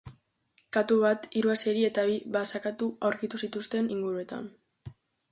Katu bat, hiru azeri eta bi basakatu aurkitu zituzten inguruetan.